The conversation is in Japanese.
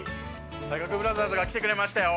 体格ブラザーズが来てくれましたよ。